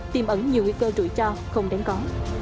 tìm ẩn nhiều nguy cơ rủi ro không đáng có